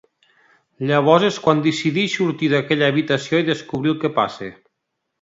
Llavors és quan decideix sortir d'aquella habitació i descobrir el que passa.